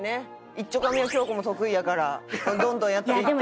いっちょかみは京子も得意やからどんどんやっていって。